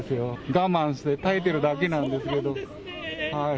我慢して、耐えてるだけなんですけど。